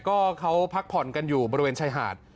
ก็เขาพักผ่อนกันอยู่บริเวณชายหาด